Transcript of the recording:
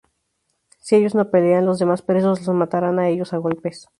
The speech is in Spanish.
Sí ellos no pelean, los demás presos los matarán a ellos a golpes.